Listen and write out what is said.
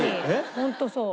ホントそう。